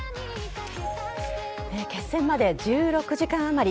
決戦まで１６時間あまり。